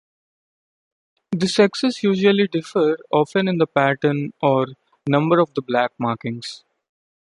The sexes usually differ, often in the pattern or number of the black markings.